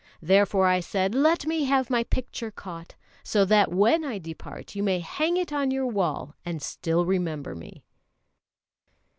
Therefore I said, Let me have my picture caught, so that when I depart you may hang it on your wall and still remember me."